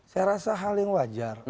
saya rasa hal yang wajar